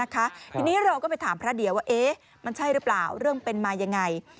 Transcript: ทีนี้เราก็ไปถามพระเดียวว่ามันใช่หรือเปล่าเรื่องเป็นมายังไง